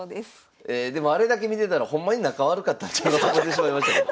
でもあれだけ見てたらほんまに仲悪かったんちゃうかと思ってしまいましたけど。